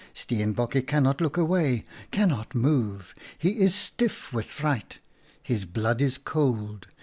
" Steenbokje can not look away, cannot move. He is stiff with fright. His blood is cold.